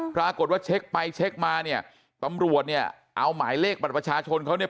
ปรากฏว่าเช็คไปเช็คมาเนี่ยตำรวจเนี่ยเอาหมายเลขบัตรประชาชนเขาเนี่ย